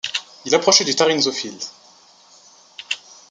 Il approchait du Tarrinzeau-field.